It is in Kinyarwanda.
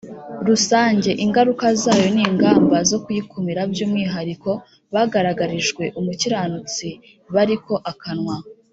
rusange ingaruka zayo n ingamba zo kuyikumira By umwihariko bagaragarijwe umukiranutsi b ariko akanwa